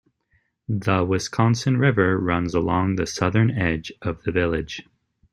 The Wisconsin River runs along the southern edge of the village.